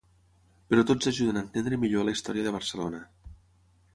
Però tots ajuden a entendre millor la història de Barcelona.